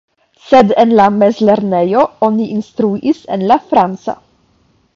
Sed en la mezlernejo oni instruis en la franca.